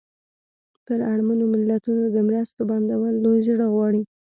پر اړمنو ملتونو د مرستو بندول لوی زړه غواړي.